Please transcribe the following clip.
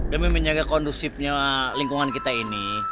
demi menjaga kondusifnya lingkungan kita ini